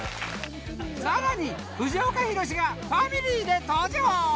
［さらに藤岡弘、がファミリーで登場］